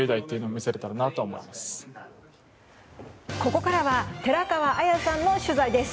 ここからは寺川綾さんの取材です。